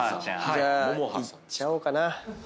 じゃあいっちゃおうかな。